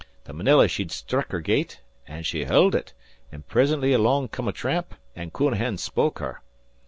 The Marilla she'd struck her gait, an' she hild ut, an' prisintly along came a tramp, an' Counahan spoke her.